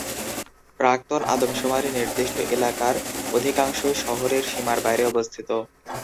প্রাক্তন আদমশুমারি-নির্দিষ্ট এলাকার অধিকাংশই শহরের সীমার বাইরে অবস্থিত।